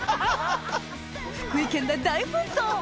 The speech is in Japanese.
福井県で大奮闘！